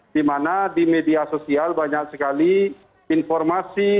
dimana di media sosial banyak sekali informasi